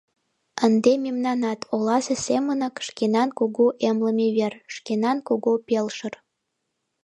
Ынде мемнанат оласе семынак: шкенан кугу эмлыме вер, шкенан кугу пелшыр.